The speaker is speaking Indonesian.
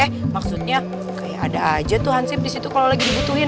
eh maksudnya kayak ada aja tuh hansip disitu kalau lagi dibutuhin